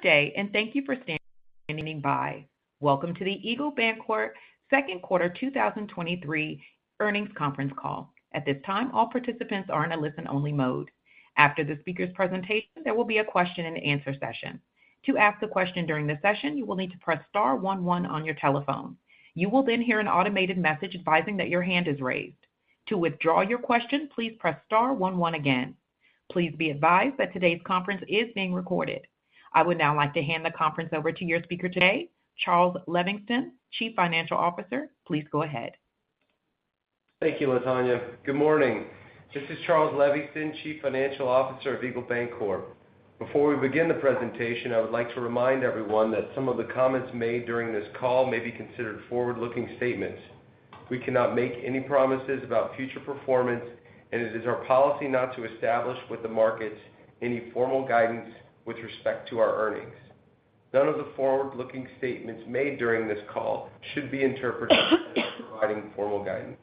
Good day. Thank you for standing by. Welcome to the Eagle Bancorp second quarter 2023 earnings conference call. At this time, all participants are in a listen-only mode. After the speaker's presentation, there will be a question-and-answer session. To ask a question during the session, you will need to press star one one on your telephone. You will hear an automated message advising that your hand is raised. To withdraw your question, please press star one one again. Please be advised that today's conference is being recorded. I would now like to hand the conference over to your speaker today, Charles Levingston, Chief Financial Officer. Please go ahead. Thank you, Latonya. Good morning. This is Charles Levingston, Chief Financial Officer of Eagle Bancorp. Before we begin the presentation, I would like to remind everyone that some of the comments made during this call may be considered forward-looking statements. We cannot make any promises about future performance, and it is our policy not to establish with the markets any formal guidance with respect to our earnings. None of the forward-looking statements made during this call should be interpreted as providing formal guidance.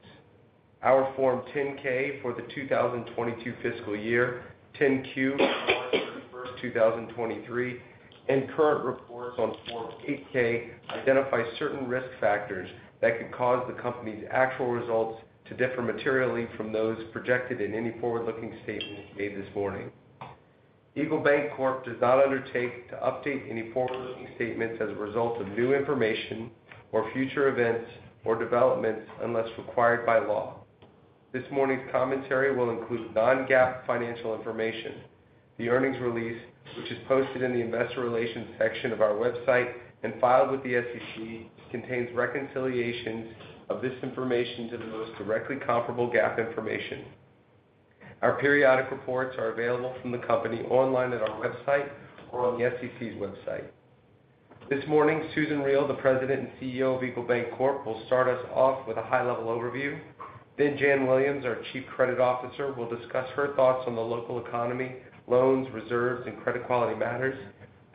Our Form 10-K for the 2022 fiscal year, 10-Q, March 31, 2023, and current reports on Form 8-K identify certain risk factors that could cause the company's actual results to differ materially from those projected in any forward-looking statement made this morning. Eagle Bancorp does not undertake to update any forward-looking statements as a result of new information or future events or developments, unless required by law. This morning's commentary will include non-GAAP financial information. The earnings release, which is posted in the investor relations section of our website and filed with the SEC, contains reconciliations of this information to the most directly comparable GAAP information. Our periodic reports are available from the company online at our website or on the SEC's website. This morning, Susan Riel, the President and CEO of Eagle Bancorp, will start us off with a high-level overview. Jan Williams, our Chief Credit Officer, will discuss her thoughts on the local economy, loans, reserves, and credit quality matters.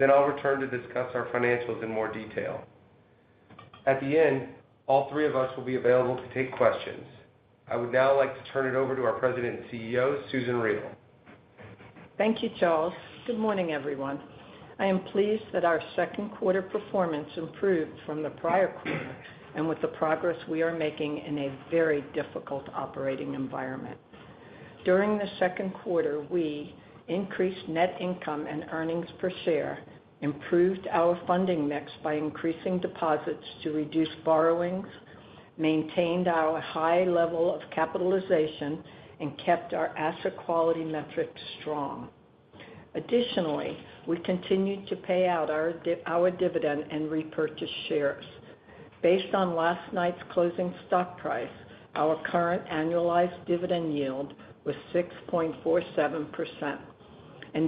I'll return to discuss our financials in more detail. At the end, all three of us will be available to take questions. I would now like to turn it over to our President and CEO, Susan Riel. Thank you, Charles. Good morning, everyone. I am pleased that our second quarter performance improved from the prior quarter and with the progress we are making in a very difficult operating environment. During the second quarter, we increased net income and earnings per share, improved our funding mix by increasing deposits to reduce borrowings, maintained our high level of capitalization, and kept our asset quality metrics strong. Additionally, we continued to pay out our dividend and repurchase shares. Based on last night's closing stock price, our current annualized dividend yield was 6.47%.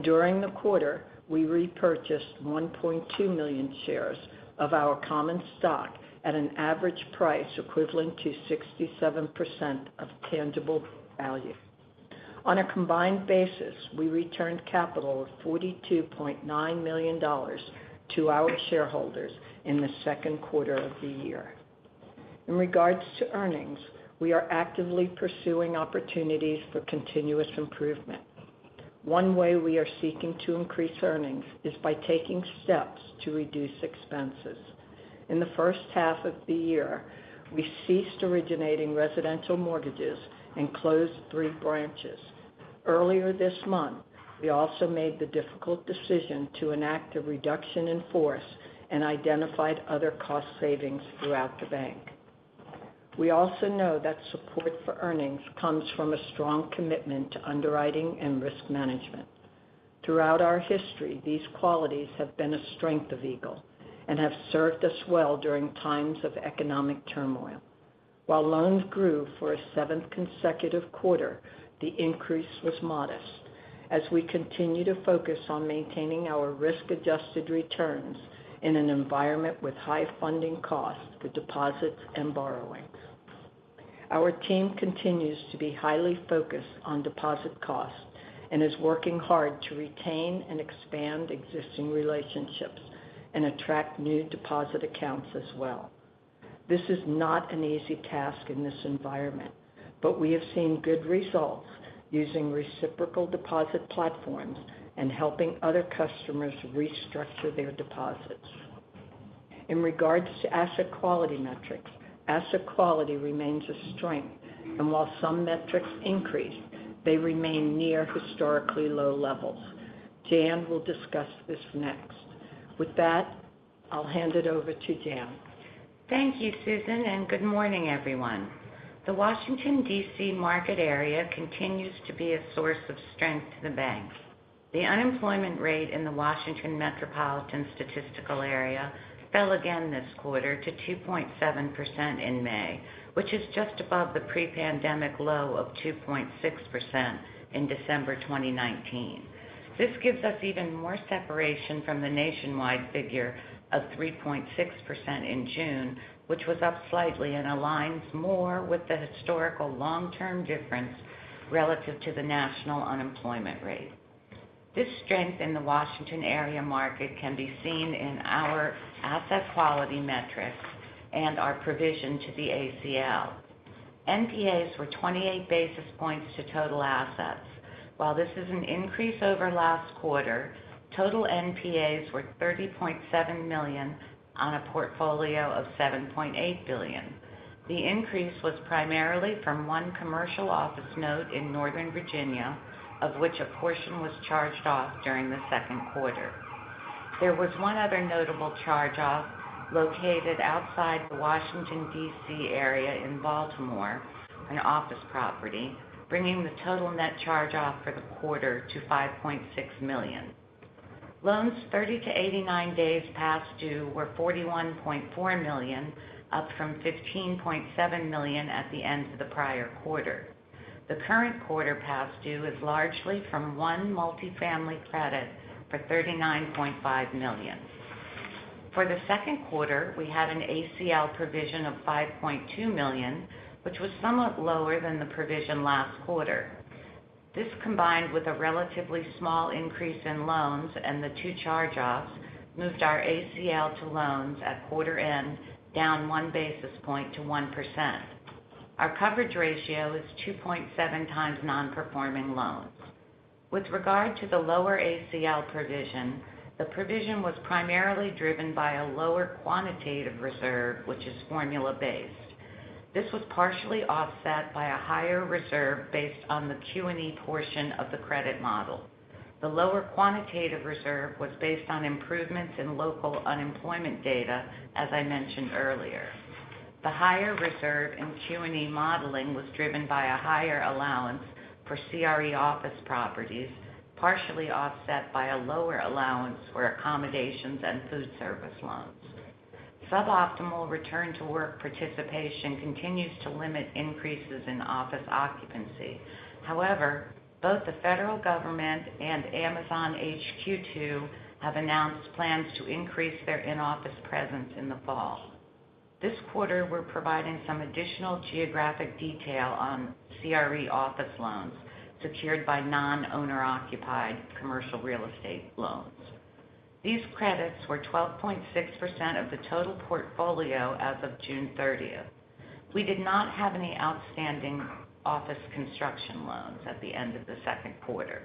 During the quarter, we repurchased 1.2 million shares of our common stock at an average price equivalent to 67% of tangible value. On a combined basis, we returned capital of $42.9 million to our shareholders in the second quarter of the year. In regards to earnings, we are actively pursuing opportunities for continuous improvement. One way we are seeking to increase earnings is by taking steps to reduce expenses. In the first half of the year, we ceased originating residential mortgages and closed three branches. Earlier this month, we also made the difficult decision to enact a reduction in force and identified other cost savings throughout the bank. We also know that support for earnings comes from a strong commitment to underwriting and risk management. Throughout our history, these qualities have been a strength of Eagle and have served us well during times of economic turmoil. While loans grew for a seventh consecutive quarter, the increase was modest as we continue to focus on maintaining our risk-adjusted returns in an environment with high funding costs for deposits and borrowings. Our team continues to be highly focused on deposit costs and is working hard to retain and expand existing relationships and attract new deposit accounts as well. This is not an easy task in this environment, but we have seen good results using reciprocal deposit platforms and helping other customers restructure their deposits. In regards to asset quality metrics, asset quality remains a strength, and while some metrics increase, they remain near historically low levels. Jan will discuss this next. With that, I'll hand it over to Jan. Thank you, Susan. Good morning, everyone. The Washington, D.C., market area continues to be a source of strength to the bank. The unemployment rate in the Washington metropolitan statistical area fell again this quarter to 2.7% in May, which is just above the pre-pandemic low of 2.6% in December 2019. This gives us even more separation from the nationwide figure of 3.6% in June, which was up slightly and aligns more with the historical long-term difference relative to the national unemployment rate. This strength in the Washington area market can be seen in our asset quality metrics and our provision to the ACL. NPAs were 28 basis points to total assets. While this is an increase over last quarter, total NPAs were $30.7 million on a portfolio of $7.8 billion. The increase was primarily from one commercial office note in Northern Virginia, of which a portion was charged off during the second quarter. There was 1 other notable charge-off located outside the Washington, D.C., area in Baltimore, an office property, bringing the total net charge-off for the quarter to $5.6 million. Loans 30-89 days past due were $41.4 million, up from $15.7 million at the end of the prior quarter. The current quarter past due is largely from one multifamily credit for $39.5 million. For the second quarter, we had an ACL provision of $5.2 million, which was somewhat lower than the provision last quarter. This combined with a relatively small increase in loans and the two charge-offs, moved our ACL to loans at quarter end, down one basis point to 1%. Our coverage ratio is 2.7x non-performing loans. With regard to the lower ACL provision, the provision was primarily driven by a lower quantitative reserve, which is formula-based. This was partially offset by a higher reserve based on the Q&E portion of the credit model. The lower quantitative reserve was based on improvements in local unemployment data, as I mentioned earlier. The higher reserve in Q&E modeling was driven by a higher allowance for CRE office properties, partially offset by a lower allowance for accommodations and food service loans. Suboptimal return-to-work participation continues to limit increases in office occupancy. However, both the federal government and Amazon HQ2 have announced plans to increase their in-office presence in the fall. This quarter, we're providing some additional geographic detail on CRE office loans secured by non-owner occupied commercial real estate loans. These credits were 12.6% of the total portfolio as of June 30th. We did not have any outstanding office construction loans at the end of the second quarter.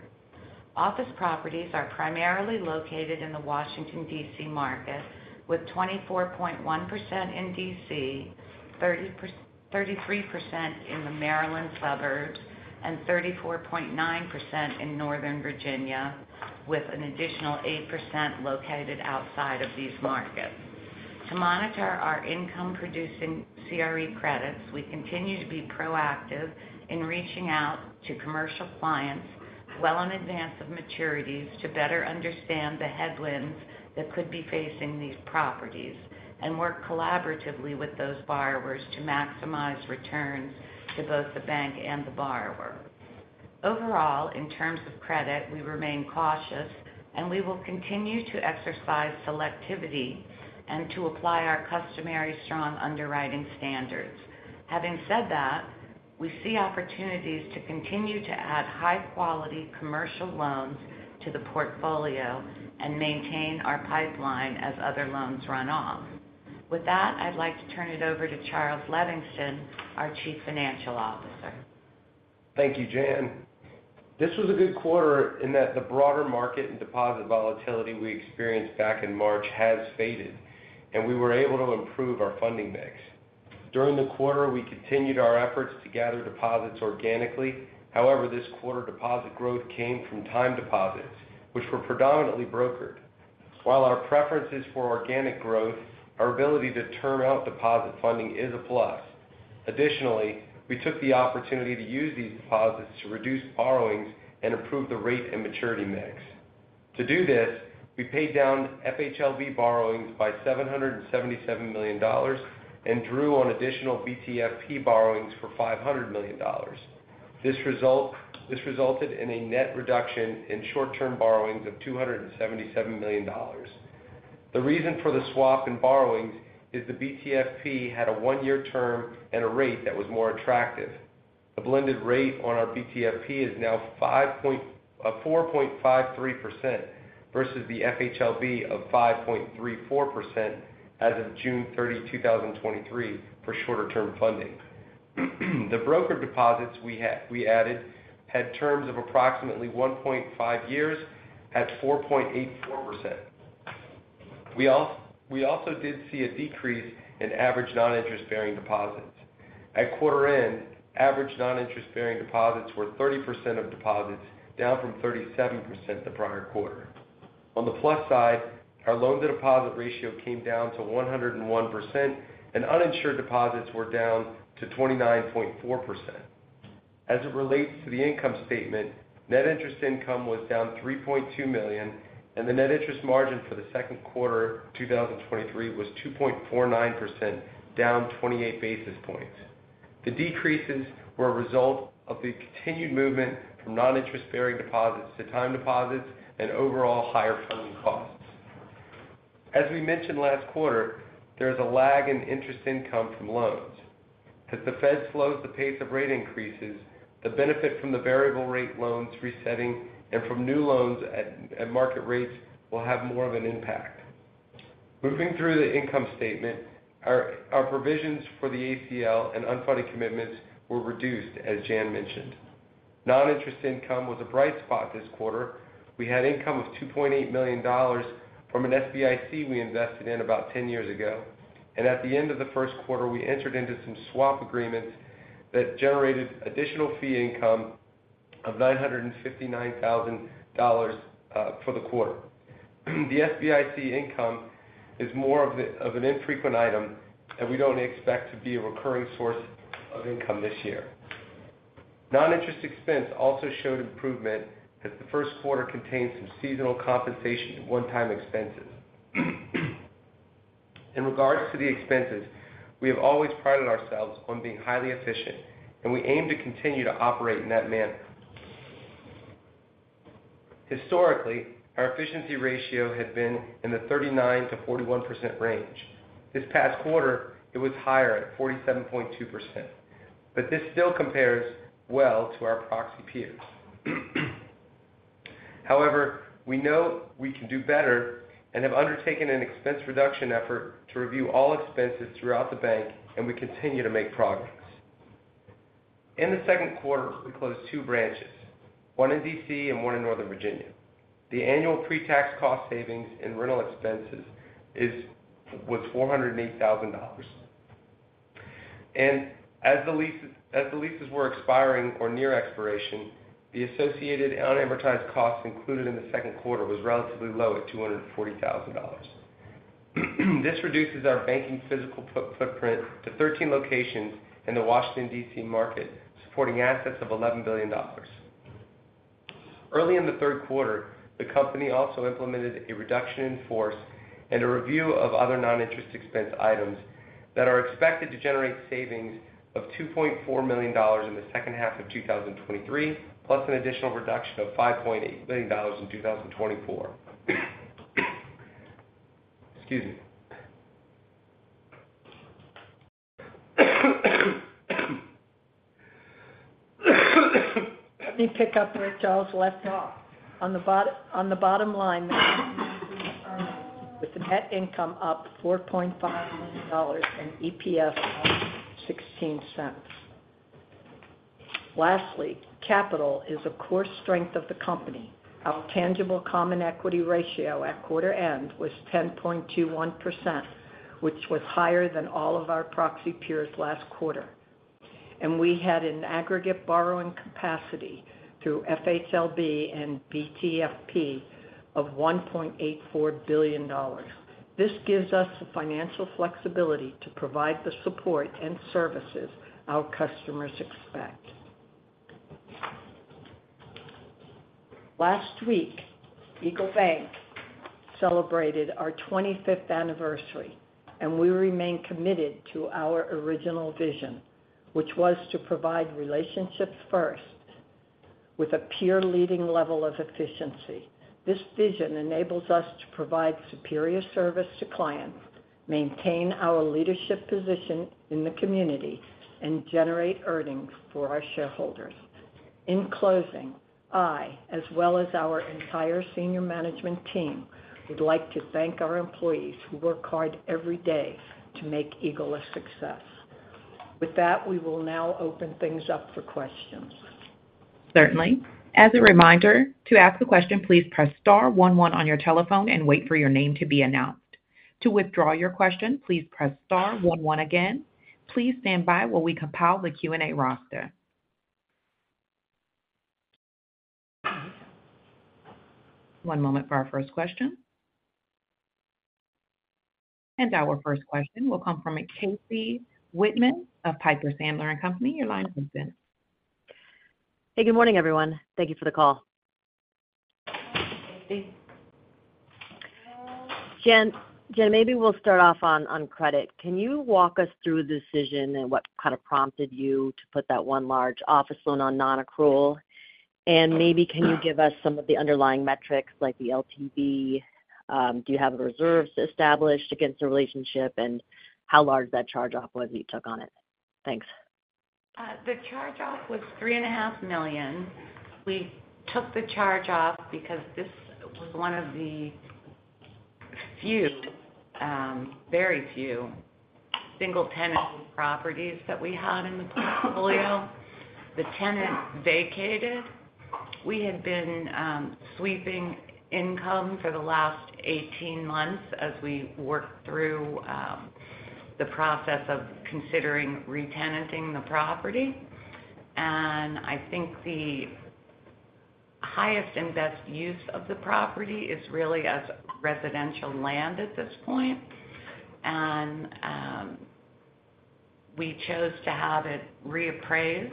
Office properties are primarily located in the Washington, D.C., market, with 24.1% in D.C., 33% in the Maryland suburbs, and 34.9% in Northern Virginia, with an additional 8% located outside of these markets. To monitor our income-producing CRE credits, we continue to be proactive in reaching out to commercial clients well in advance of maturities to better understand the headwinds that could be facing these properties and work collaboratively with those borrowers to maximize returns to both the bank and the borrower. Overall, in terms of credit, we remain cautious, and we will continue to exercise selectivity and to apply our customary strong underwriting standards. Having said that, we see opportunities to continue to add high-quality commercial loans to the portfolio and maintain our pipeline as other loans run off. With that, I'd like to turn it over to Charles Levingston, our Chief Financial Officer. Thank you, Jan. This was a good quarter in that the broader market and deposit volatility we experienced back in March has faded, and we were able to improve our funding mix. During the quarter, we continued our efforts to gather deposits organically. However, this quarter, deposit growth came from time deposits, which were predominantly brokered. While our preference is for organic growth, our ability to term out deposit funding is a plus. Additionally, we took the opportunity to use these deposits to reduce borrowings and improve the rate and maturity mix. To do this, we paid down FHLB borrowings by $777 million and drew on additional BTFP borrowings for $500 million. This resulted in a net reduction in short-term borrowings of $277 million. The reason for the swap in borrowings is the BTFP had a one-year term and a rate that was more attractive. The blended rate on our BTFP is now 4.53% versus the FHLB of 5.34% as of June 30th, 2023, for shorter-term funding. The broker deposits we added had terms of approximately 1.5 years at 4.84%. We also did see a decrease in average non-interest-bearing deposits. At quarter end, average non-interest-bearing deposits were 30% of deposits, down from 37% the prior quarter. On the plus side, our loan-to-deposit ratio came down to 101%, and uninsured deposits were down to 29.4%. As it relates to the income statement, net interest income was down $3.2 million. The net interest margin for the second quarter of 2023 was 2.49%, down 28 basis points. The decreases were a result of the continued movement from non-interest-bearing deposits to time deposits and overall higher funding costs. As we mentioned last quarter, there is a lag in interest income from loans. As the Fed slows the pace of rate increases, the benefit from the variable rate loans resetting and from new loans at market rates will have more of an impact. Moving through the income statement, our provisions for the ACL and unfunded commitments were reduced, as Jan mentioned. Non-interest income was a bright spot this quarter. We had income of $2.8 million from an SBIC we invested in about 10 years ago. At the end of the first quarter, we entered into some swap agreements that generated additional fee income of $959,000 for the quarter. The SBIC income is more of an infrequent item, and we don't expect to be a recurring source of income this year. Non-interest expense also showed improvement, as the first quarter contained some seasonal compensation and one-time expenses. In regards to the expenses, we have always prided ourselves on being highly efficient, and we aim to continue to operate in that manner. Historically, our efficiency ratio had been in the 39%-41% range. This past quarter, it was higher at 47.2%, but this still compares well to our proxy peers. However, we know we can do better and have undertaken an expense reduction effort to review all expenses throughout the bank, and we continue to make progress. In the second quarter, we closed 2 branches, one in D.C. and one in Northern Virginia. The annual pre-tax cost savings and rental expenses was $408,000. As the leases were expiring or near expiration, the associated unamortized costs included in the second quarter was relatively low at $240,000. This reduces our banking physical footprint to 13 locations in the Washington, D.C. market, supporting assets of $11 billion. Early in the third quarter, the company also implemented a reduction in force and a review of other non-interest expense items that are expected to generate savings of $2.4 million in the second half of 2023, plus an additional reduction of $5.8 million in 2024. Excuse me. Let me pick up where Charles left off. On the bottom line, with the net income up $4.5 million and EPS up $0.16. Lastly, capital is a core strength of the company. Our tangible common equity ratio at quarter end was 10.21%, which was higher than all of our proxy peers last quarter. We had an aggregate borrowing capacity through FHLB and BTFP of $1.84 billion. This gives us the financial flexibility to provide the support and services our customers expect. Last week, EagleBank celebrated our 25th anniversary, and we remain committed to our original vision, which was to provide relationships first with a peer-leading level of efficiency. This vision enables us to provide superior service to clients, maintain our leadership position in the community, and generate earnings for our shareholders. In closing, I, as well as our entire senior management team, would like to thank our employees who work hard every day to make Eagle a success. With that, we will now open things up for questions. Certainly. As a reminder, to ask a question, please press star one one on your telephone and wait for your name to be announced. To withdraw your question, please press star one one again. Please stand by while we compile the Q&A roster. One moment for our first question. Our first question will come from a Casey Whitman of Piper Sandler and Company. Your line is open. Hey, good morning, everyone. Thank you for the call. Thank you. Jan, maybe we'll start off on credit. Can you walk us through the decision and what kind of prompted you to put that one large office loan on nonaccrual? Maybe can you give us some of the underlying metrics like the LTV? Do you have the reserves established against the relationship, and how large that charge-off was you took on it? Thanks. The charge-off was three and a half million dollars. We took the charge-off because this was one of the few, very few single-tenant properties that we had in the portfolio. The tenant vacated. We had been sweeping income for the last 18 months as we worked through the process of considering retenanting the property. I think the highest and best use of the property is really as residential land at this point. We chose to have it reappraised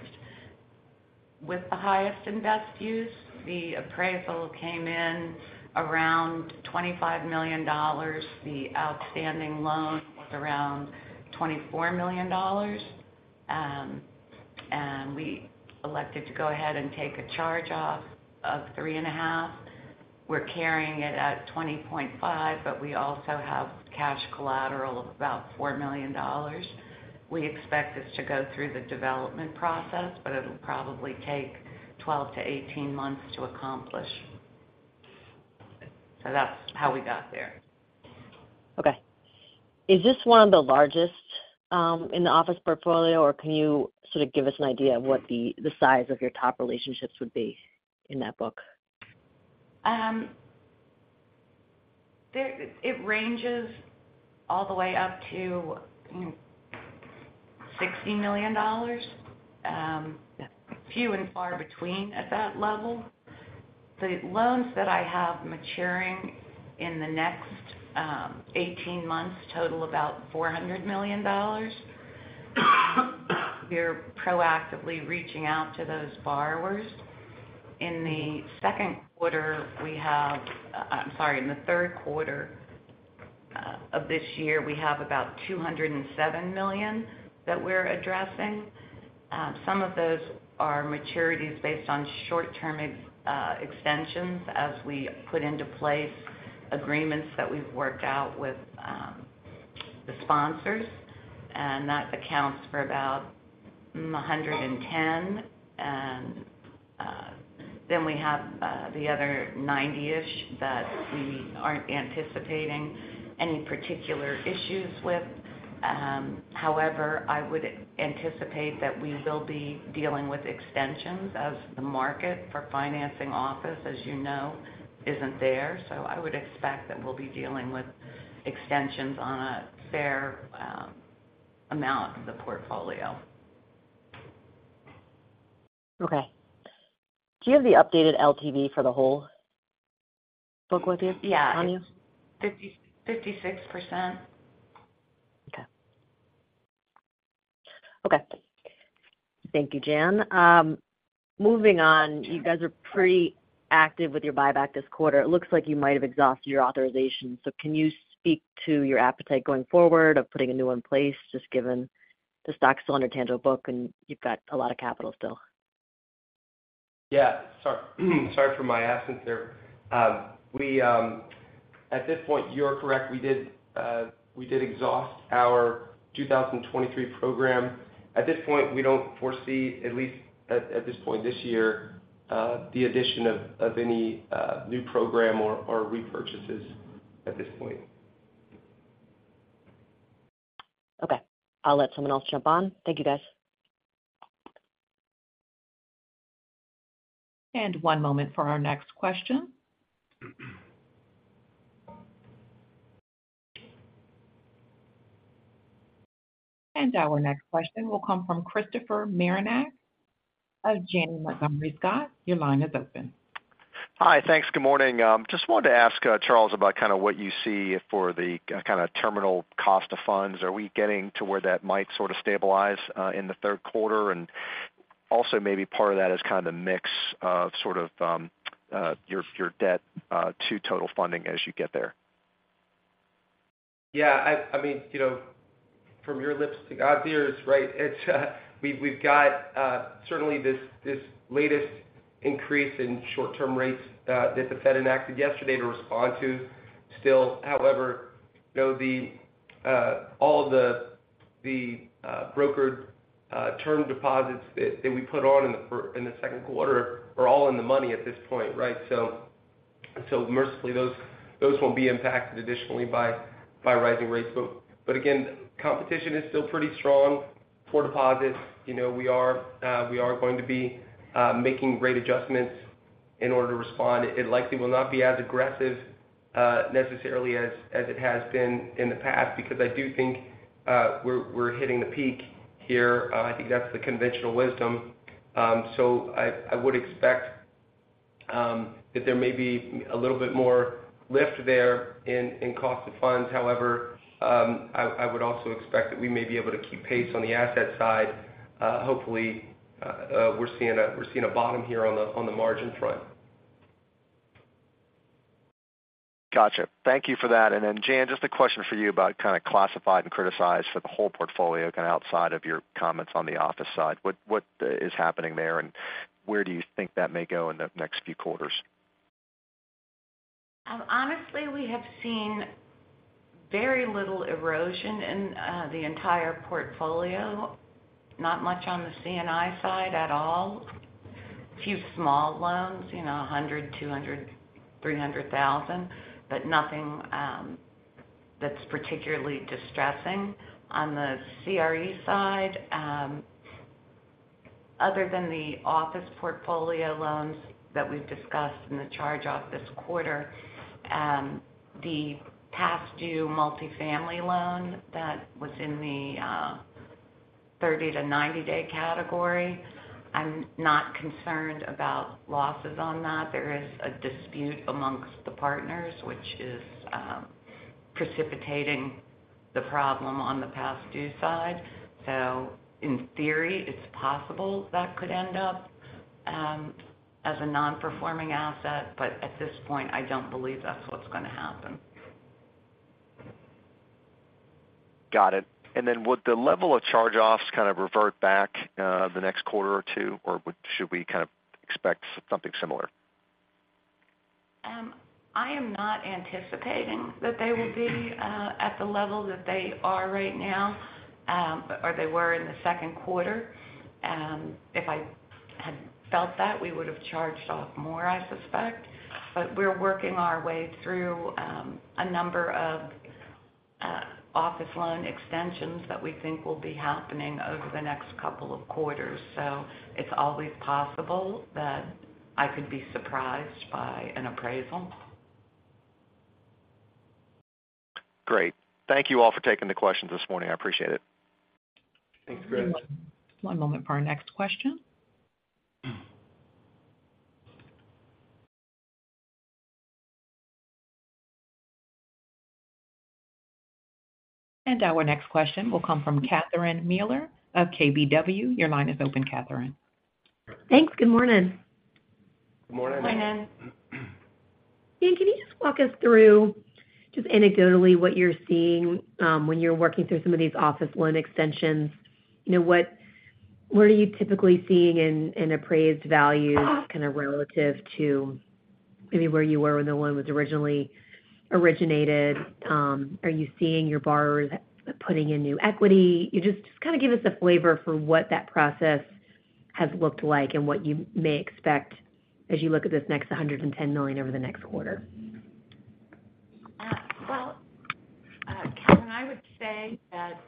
with the highest and best use. The appraisal came in around $25 million. The outstanding loan was around $24 million. We elected to go ahead and take a charge-off of three and a half million dollars. We're carrying it at 20.5 million dollars, but we also have cash collateral of about $4 million. We expect this to go through the development process, but it'll probably take 12-18 months to accomplish. That's how we got there. Okay. Is this one of the largest, in the office portfolio, or can you sort of give us an idea of what the size of your top relationships would be in that book? It ranges all the way up to, you know, $60 million. Few and far between at that level. The loans that I have maturing in the next 18 months total about $400 million. We're proactively reaching out to those borrowers. In the second quarter, we have, I'm sorry, in the third quarter of this year, we have about $207 million that we're addressing. Some of those are maturities based on short-term extensions as we put into place agreements that we've worked out with the sponsors, that accounts for about $110. Then we have the other 90-ish that we aren't anticipating any particular issues with. However, I would anticipate that we will be dealing with extensions, as the market for financing office, as you know, isn't there. I would expect that we'll be dealing with extensions on a fair amount of the portfolio. Okay. Do you have the updated LTV for the whole book with you? Yeah. On you? 50, 56%. Okay. Okay, thank you, Jan. Moving on, you guys are pretty active with your buyback this quarter. It looks like you might have exhausted your authorization. Can you speak to your appetite going forward of putting a new one in place, just given the stock's still under tangible book, and you've got a lot of capital still? Yeah. Sorry for my absence there. We, at this point, you are correct. We did exhaust our 2023 program. At this point, we don't foresee, at least at this point this year, the addition of any new program or repurchases at this point. Okay. I'll let someone else jump on. Thank you, guys. One moment for our next question. Our next question will come from Christopher Marinac of Janney Montgomery Scott. Your line is open. Hi. Thanks. Good morning. Just wanted to ask Charles, about kind of what you see for the kind of terminal cost of funds. Are we getting to where that might sort of stabilize in the third quarter? Also maybe part of that is kind of the mix of sort of your, your debt to total funding as you get there. Yeah, I mean, you know, from your lips to God's ears, right? It's we've got certainly this latest increase in short-term rates that the Fed enacted yesterday to respond to still. However, you know, the all of the brokered term deposits that we put on in the second quarter are all in the money at this point, right? Mercifully, those won't be impacted additionally by rising rates. Again, competition is still pretty strong for deposits. You know, we are going to be making rate adjustments in order to respond. It likely will not be as aggressive necessarily as it has been in the past, because I do think we're hitting the peak here. I think that's the conventional wisdom. I would expect that there may be a little bit more lift there in cost of funds. However, I would also expect that we may be able to keep pace on the asset side. Hopefully, we're seeing a bottom here on the margin front. Gotcha. Thank you for that. Then, Jan, just a question for you about kind of classified and criticized for the whole portfolio, kind of outside of your comments on the office side. What is happening there, and where do you think that may go in the next few quarters? Honestly, we have seen very little erosion in the entire portfolio. Not much on the C&I side at all. A few small loans, you know, $100,000, $200,000, $300,000, but nothing that's particularly distressing. On the CRE side, other than the office portfolio loans that we've discussed in the charge-off this quarter, the past due multifamily loan that was in the 30-90-day category, I'm not concerned about losses on that. There is a dispute amongst the partners, which is precipitating the problem on the past due side. In theory, it's possible that could end up as a non-performing asset, but at this point, I don't believe that's what's going to happen. Got it. Then would the level of charge-offs kind of revert back, the next quarter or two, or should we kind of expect something similar? I am not anticipating that they will be at the level that they are right now, or they were in the second quarter. If I had felt that, we would have charged off more, I suspect. We're working our way through a number of office loan extensions that we think will be happening over the next couple of quarters. It's always possible that I could be surprised by an appraisal. Great. Thank you all for taking the questions this morning. I appreciate it. Thanks very much. One moment for our next question. Our next question will come from Catherine Mealor of KBW. Your line is open, Catherine. Thanks. Good morning. Good morning. Good morning. Jan, can you just walk us through, just anecdotally, what you're seeing, when you're working through some of these office loan extensions? You know, what, what are you typically seeing in, in appraised values, kind of relative to maybe where you were when the loan was originally originated? Are you seeing your borrowers putting in new equity? Kind of give us a flavor for what that process has looked like and what you may expect as you look at this next $110 million over the next quarter. Well, Catherine, I would say that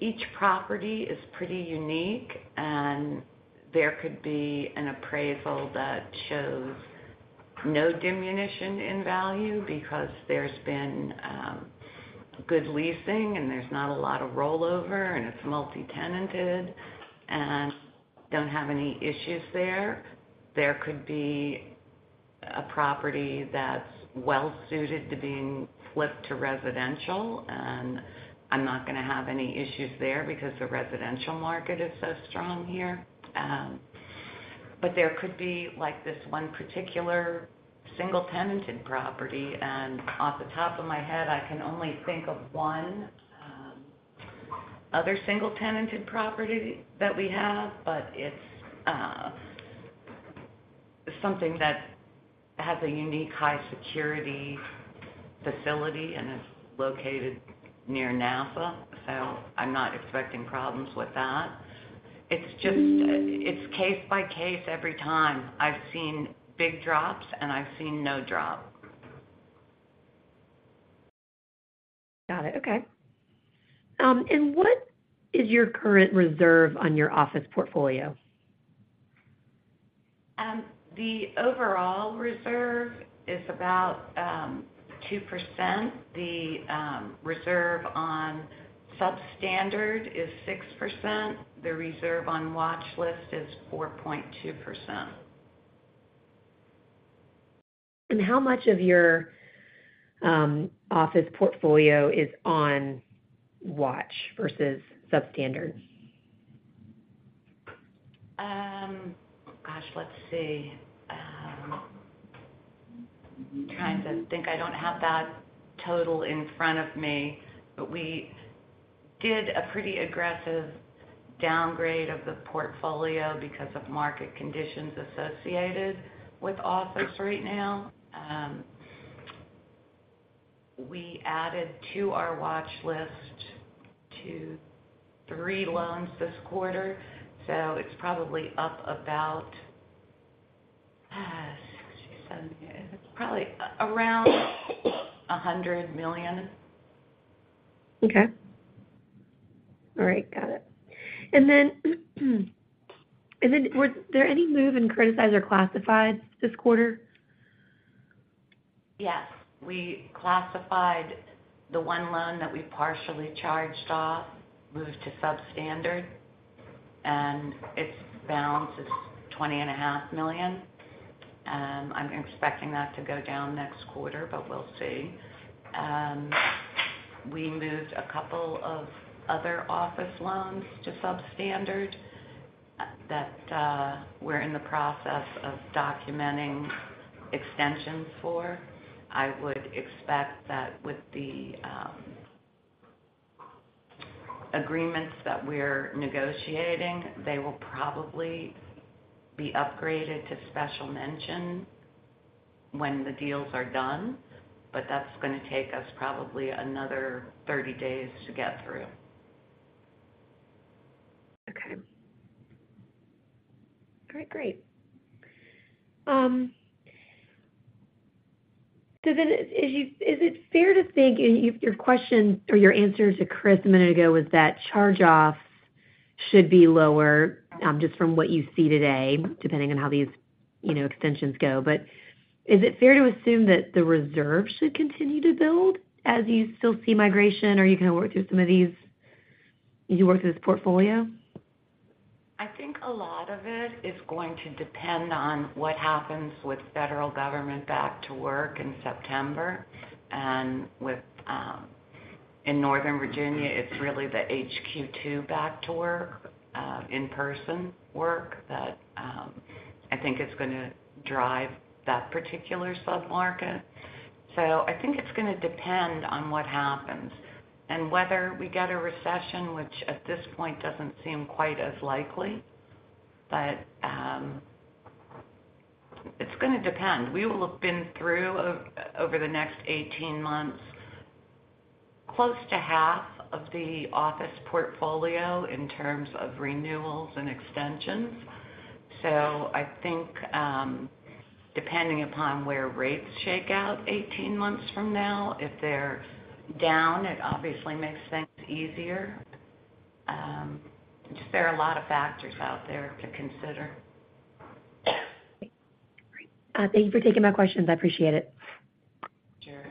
each property is pretty unique, and there could be an appraisal that shows no diminution in value because there's been good leasing and there's not a lot of rollover, and it's multi-tenanted and don't have any issues there. There could be a property that's well suited to being flipped to residential, and I'm not going to have any issues there because the residential market is so strong here. There could be like, this one particular single-tenanted property, and off the top of my head, I can only think of one other single-tenanted property that we have, but it's something that has a unique high security facility and is located near NASA, so I'm not expecting problems with that. It's just it's case by case every time. I've seen big drops, and I've seen no drop. Got it. Okay. What is your current reserve on your office portfolio? The overall reserve is about 2%. The reserve on substandard is 6%. The reserve on watchlist is 4.2%. How much of your office portfolio is on watch versus substandard? Gosh, let's see. I'm trying to think. I don't have that total in front of me, but we did a pretty aggressive downgrade of the portfolio because of market conditions associated with office right now. We added to our watchlist to three loans this quarter, so it's probably up about, it's probably around $100 million. Okay. All right, got it. Then was there any move in criticized or classified this quarter? Yes. We classified the one loan that we partially charged off, moved to substandard, and its balance is twenty and a half million. I'm expecting that to go down next quarter. We'll see. We moved a couple of other office loans to substandard that we're in the process of documenting extensions for. I would expect that with the agreements that we're negotiating, they will probably be upgraded to special mention when the deals are done. That's going to take us probably another 30 days to get through. Okay. Great, great. Is it fair to think, if your question or your answer to Chris a minute ago was that charge-offs should be lower, just from what you see today, depending on how these, you know, extensions go. Is it fair to assume that the reserve should continue to build as you still see migration, or are you going to work through some of these, as you work through this portfolio? I think a lot of it is going to depend on what happens with federal government back to work in September. With in Northern Virginia, it's really the HQ2 back to work in-person work that I think is gonna drive that particular submarket. I think it's gonna depend on what happens and whether we get a recession, which at this point, doesn't seem quite as likely. It's gonna depend. We will have been through, over the next 18 months, close to half of the office portfolio in terms of renewals and extensions. I think depending upon where rates shake out 18 months from now, if they're down, it obviously makes things easier. Just there are a lot of factors out there to consider. Great. Thank you for taking my questions. I appreciate it. Sure.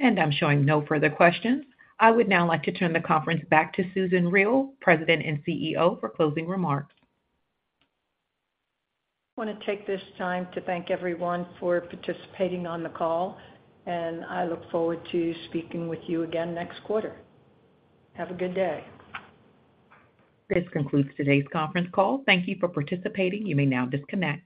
I'm showing no further questions. I would now like to turn the conference back to Susan Riel, President and CEO, for closing remarks. I want to take this time to thank everyone for participating on the call, and I look forward to speaking with you again next quarter. Have a good day. This concludes today's conference call. Thank you for participating. You may now disconnect.